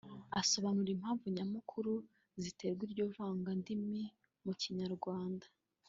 asobanura impamvu nyamukuru zitera iryo vangandimi mu Kinyarwanda